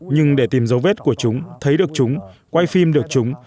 nhưng để tìm dấu vết của chúng thấy được chúng quay phim được chúng